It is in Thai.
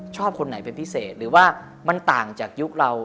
คนไหนเป็นพิเศษหรือว่ามันต่างจากยุคเรา